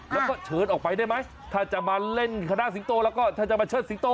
แล้วก็เชิญออกไปได้ไหมถ้าจะมาเล่นคณะสิงโตแล้วก็ถ้าจะมาเชิดสิงโต